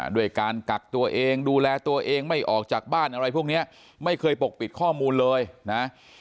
ด้วยการกักตัวเองดูแลตัวเองไม่ออกจากบ้านอะไรพวกนี้ไม่เคยปกปิดข้อมูลเลยนะ